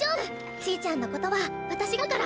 ちぃちゃんのことは私が守るから！